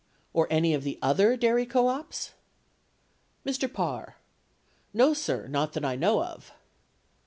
Or any of the other dairy co ops? Mr. Parr. No, sir, not that I know of.